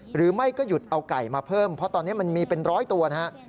หรือไม่ก็หยุดเอาไก่มาเพิ่มเพราะตอนนี้มันมีเป็นร้อยตัวนะครับ